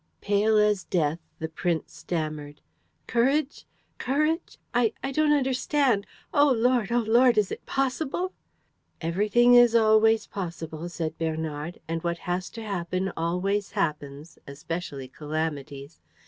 Pale as death, the prince stammered: "Courage? ... Courage? ... I don't understand. ... Oh Lord, oh Lord, is it possible?" "Everything is always possible," said Bernard, "and what has to happen always happens, especially calamities."